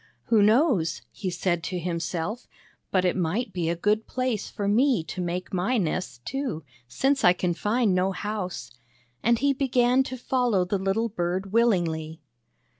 "Who knows," he said to himself, "but it might be a good place for me to make my nest, too, since I can find no house?" And he began to follow the little bird willingly.